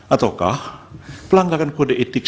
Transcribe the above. ataukah pelanggaran kode etik